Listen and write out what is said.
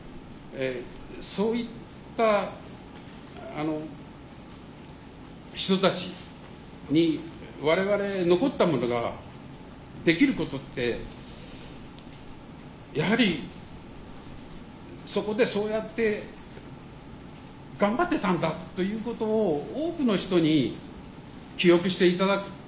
そういった人たちに我々残った者ができることってやはりそこでそうやって頑張ってたんだということを多くの人に記憶していただく。